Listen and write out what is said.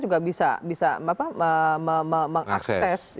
juga bisa mengakses